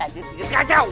aduh cinggir kacau